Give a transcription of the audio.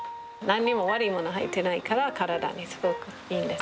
何にも悪いもの入ってないから体にすごくいいんです。